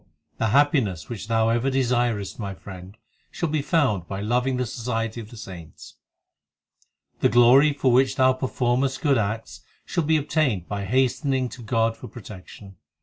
The happiness which thou ever desirest, my friend, Shall be found by loving the society of the saints. The glory for which thou performest good acts, Shall be obtained by hastening to God for protection.